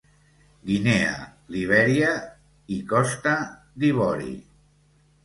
Guinea, Libèria i Costa d'Ivori.